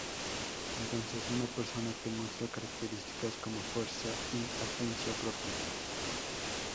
Entonces, una persona que muestra características como fuerza y agencia propia.